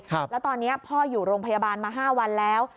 แล้วตอนนี้พ่ออยู่โรงพยาบาลมา๕วันแล้ว